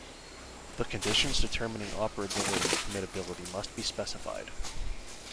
The conditions determining operability and committability must be specified.